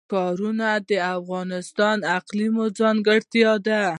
ښارونه د افغانستان د اقلیم ځانګړتیا ده.